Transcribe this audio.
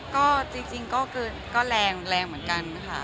ก็จริงก็แรงเหมือนกันนะคะ